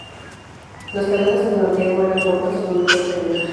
Las carreras en Santiago eran cortas y con mejores premios.